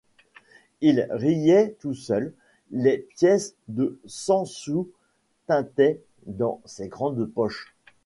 Il riait tout seul, des pièces de cent sous tintaient dans ses grandes poches.